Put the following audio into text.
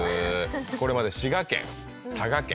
これまで滋賀県佐賀県